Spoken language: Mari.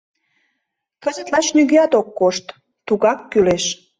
Кызыт лач нигӧат ок кошт — тугак кӱлеш.